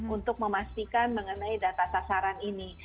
untuk memastikan mengenai data sasaran ini